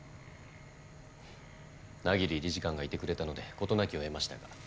百鬼理事官がいてくれたので事なきを得ましたが。